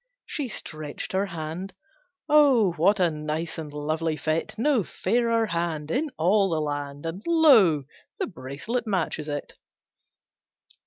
She stretched her hand, "Oh what a nice and lovely fit! No fairer hand, in all the land, And lo! the bracelet matches it."